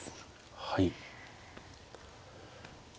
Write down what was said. はい。